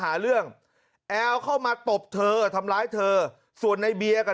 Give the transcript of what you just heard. หาเรื่องแอลเข้ามาตบเธอทำร้ายเธอส่วนในเบียร์กับ